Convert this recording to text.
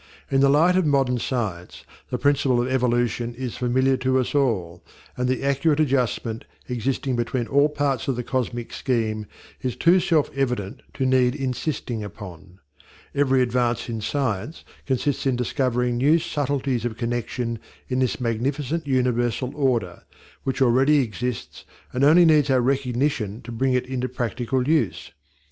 In the light of modern science the principle of evolution is familiar to us all, and the accurate adjustment existing between all parts of the cosmic scheme is too self evident to need insisting upon. Every advance in science consists in discovering new subtleties of connection in this magnificent universal order, which already exists and only needs our recognition to bring it into practical use.